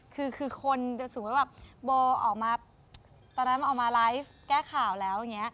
คือคือคนสมมุติว่าโบออกมาตอนนั้นมันออกมาไลฟ์แก้ข่าวแล้ว